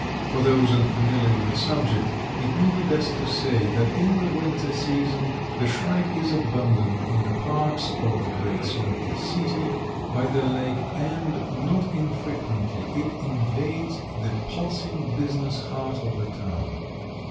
For those unfamiliar with the subject it may be best to say that in the winter season the shrike is abundant in the parks of the great smoky city by the lake, and not infrequently it invades the pulsing business heart of the town.